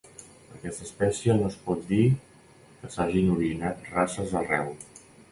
D'aquesta espècie no es pot dir que s'hagin originat races arreu.